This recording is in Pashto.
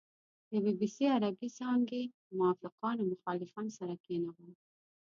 د بي بي سي عربې څانګې موافقان او مخالفان سره کېنول.